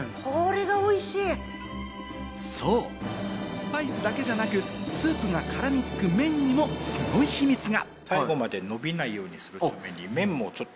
スパイスだけじゃなく、スープが絡みつく麺にもすごい秘密が。